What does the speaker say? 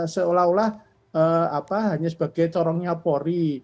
seolah olah hanya sebagai corongnya polri